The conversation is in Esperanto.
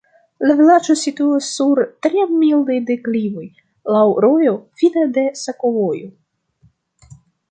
La vilaĝo situas sur tre mildaj deklivoj, laŭ rojo, fine de sakovojo.